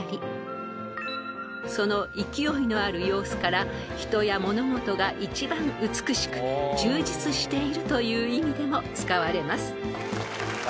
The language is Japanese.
［その勢いのある様子から人や物事が一番美しく充実しているという意味でも使われます］